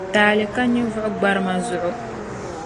Taali ka ninvuɣu gbarima zuɣu.